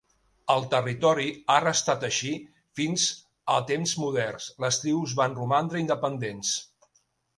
El territori ha restat així fins a temps moderns; les tribus van romandre independents.